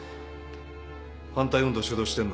反対運動主導してるのは？